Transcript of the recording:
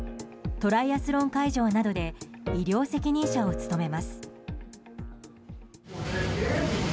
トライアスロン会場などで医療責任者を務めます。